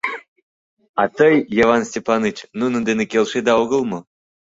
— А тый, Йыван Степаныч, нунын дене келшеда огыл мо?